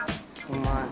うまい。